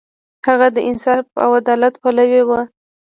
هغه د انصاف او عدالت پلوی و.